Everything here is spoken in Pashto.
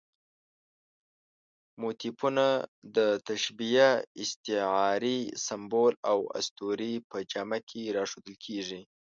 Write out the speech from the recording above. موتیفونه د تشبیه، استعارې، سمبول او اسطورې په جامه کې راښودل کېږي.